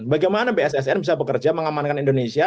bagaimana bssn bisa bekerja mengamankan indonesia